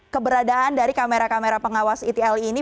keberadaan dari kamera kamera pengawas etli ini